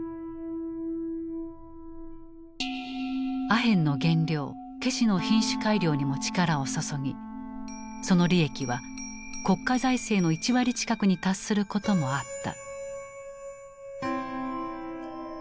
アヘンの原料ケシの品種改良にも力を注ぎその利益は国家財政の１割近くに達することもあった。